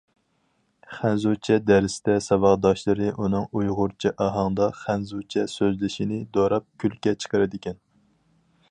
خەنزۇچە دەرستە ساۋاقداشلىرى ئۇنىڭ ئۇيغۇرچە ئاھاڭدا خەنزۇچە سۆزلىشىنى دوراپ كۈلكە چىقىرىدىكەن.